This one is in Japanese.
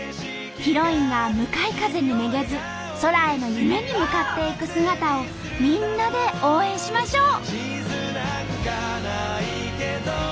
ヒロインが向かい風にめげず空への夢に向かっていく姿をみんなで応援しましょう！